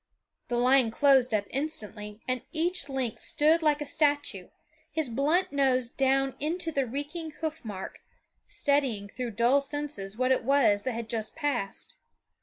The line closed up instantly and each lynx stood like a statue, his blunt nose down into a reeking hoof mark, studying through dull senses what it was that had just passed.